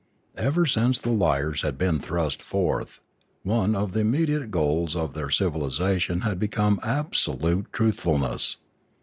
Ever since the liars had been thrust forth, one of the immediate goals of their civilisa tion had become absolute truthfulness.